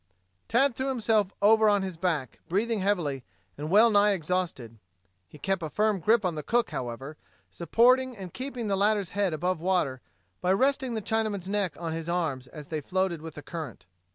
Tad threw himself over on his back, breathing heavily and well nigh exhausted. He kept a firm grip on the cook, however, supporting and keeping the latter's head above water by resting the Chinaman's neck on his arm as they floated with the current.